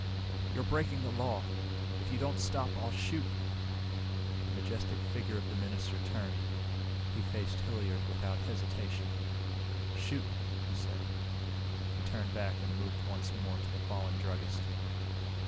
"You're breaking the law. If you don't stop I'll shoot!" The majestic figure of the minister turned. He faced Hilliard without hesitation. "Shoot," he said. He turned back and moved once more to the fallen druggist.